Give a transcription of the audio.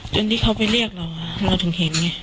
ที่เขาไปเรียกเราเราถึงเห็นไง